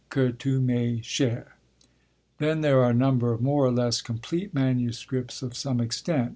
que tu m'es chère!_ Then there are a number of more or less complete manuscripts of some extent.